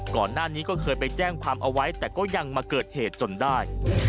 ก่อนหน้านี้ก็เคยไปแจ้งความเอาไว้แต่ก็ยังมาเกิดเหตุจนได้